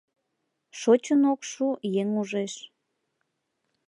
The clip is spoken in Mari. Шочын ок шу — еҥ ужеш